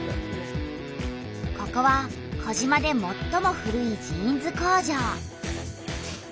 ここは児島でもっとも古いジーンズ工場。